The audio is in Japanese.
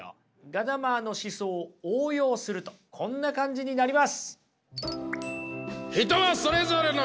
ガダマーの思想を応用するとこんな感じになります。